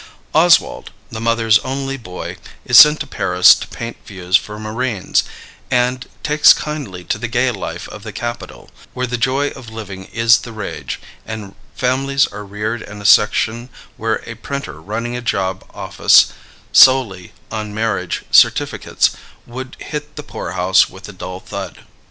Oswald, the mother's only boy, is sent to Paris to paint views for marines, and takes kindly to the gay life of the capital, where the joy of living is the rage and families are reared in a section where a printer running a job office solely on marriage certificates would hit the poor house with a dull thud.